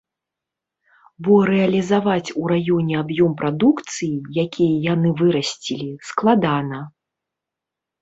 Бо рэалізаваць у раёне аб'ём прадукцыі, які яны вырасцілі, складана.